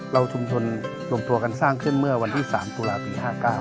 ชุมชนรวมตัวกันสร้างขึ้นเมื่อวันที่๓ตุลาปี๕๙